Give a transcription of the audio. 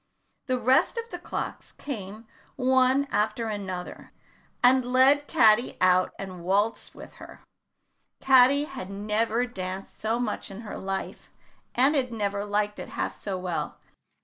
The rest of the clocks came one after another and led Caddy out and waltzed with her. Caddy had never danced so much in all her life, and had never liked it half so well.